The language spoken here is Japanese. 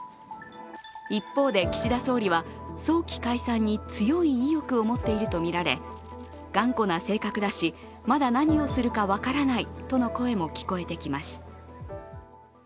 一方で、岸田総理は早期解散に強い意欲を持っているとみられ頑固な性格だし、まだ何をするか分からないとの声も聞こえてきます。